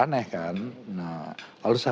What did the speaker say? aneh kan nah kalau saya